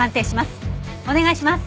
お願いします！